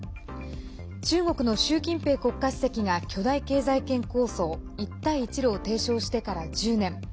中国の習近平国家主席が巨大経済圏構想一帯一路を提唱してから１０年。